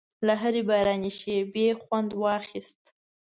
له هرې باراني شېبې خوند واخیست.